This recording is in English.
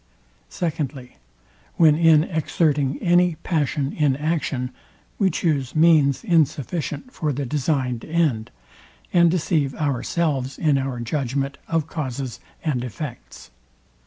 Secondly, When in exerting any passion in action, we chuse means insufficient for the designed end, and deceive ourselves in our judgment of causes and effects.